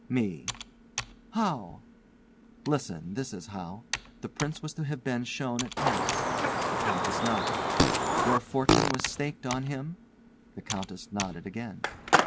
"Me!" "How?" "Listen. This is how. The Prince was to have been shown at Paris." The Countess nodded. "Your fortune was staked on him?" The Countess nodded again.